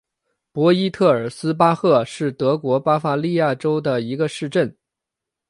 博伊特尔斯巴赫是德国巴伐利亚州的一个市镇。